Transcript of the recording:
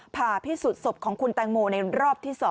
ผ่าพิสูจน์ศพของคุณแตงโมในรอบที่๒